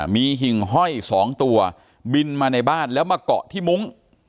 มีหิ่งห้อย๒ตัวบินมาในบ้านแล้วมาเกาะที่มุ้ง